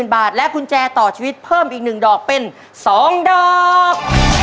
บาทและกุญแจต่อชีวิตเพิ่มอีก๑ดอกเป็น๒ดอก